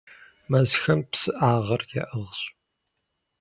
Мэзхэм псыӀагъыр яӀыгъщ.